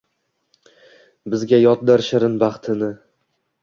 Bizga yotdir shirin baxtini